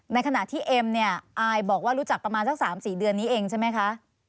ในขณะที่เอ็มเนี่ยอายบอกว่ารู้จักประมาณสัก๓๔เดือนนี้เองใช่ไหมคะ